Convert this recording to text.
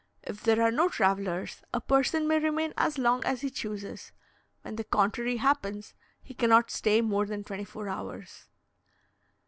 If there are no travellers, a person may remain as long as he chooses; when the contrary happens, he cannot stay more than twenty four hours.